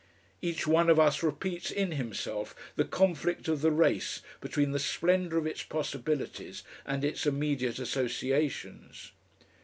Each one of us repeats in himself the conflict of the race between the splendour of its possibilities and its immediate associations.